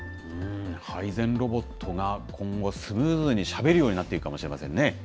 配膳ロボットが今後、スムーズにしゃべるようになっていくかもしれないですね。